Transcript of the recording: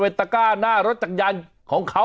เบิร์ตลมเสียโอ้โห